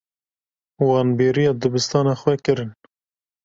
Wan bêriya dibistana xwe kirin.